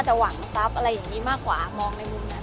สวัสดีครับที่ได้รับความรักของคุณ